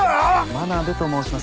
真鍋と申します。